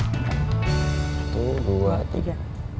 satu dua tiga